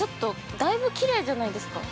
だいぶきれいじゃないですか。